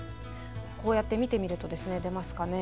こうやって見てみるとですね出ますかね。